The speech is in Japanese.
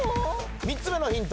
３つ目のヒント